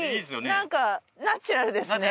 なんかナチュラルですね。